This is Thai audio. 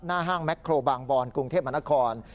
ห้างแม็กโครบางบอนกรุงเทพมหานคร